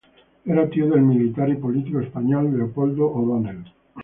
Era tío del militar y político español Leopoldo O'Donnell.